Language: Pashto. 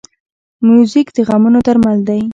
موزیک د غمونو درمل دی.